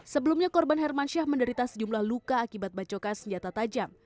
sebelumnya korban hermansyah menderita sejumlah luka akibat bacokan senjata tajam